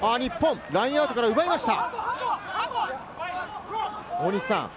ラインアウトから奪いました。